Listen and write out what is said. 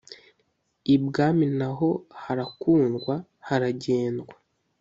Ibwami na ho harakundwa haragendwa